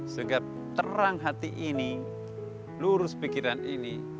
sebab terang hati ini lurus pikiran ini